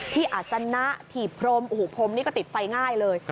ที่อาสนะถีบพรมอู๋พรมนี่ก็ติดไฟง่ายเลย